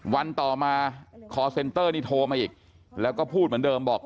วันต่อมาคอร์เซ็นเตอร์นี่โทรมาอีกแล้วก็พูดเหมือนเดิมบอก